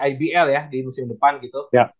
ibl ya di musim depan gitu